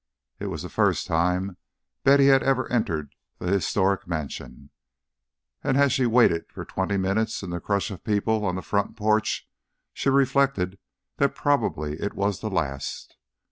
It was the first time Betty ever had entered the historic mansion, and as she waited for twenty minutes in the crush of people on the front porch, she reflected that probably it was the last.